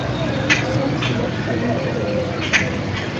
São Sebastião do Paraíso